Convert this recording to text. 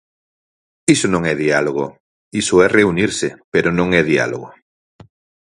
Iso non é diálogo; iso é reunirse, pero non é diálogo.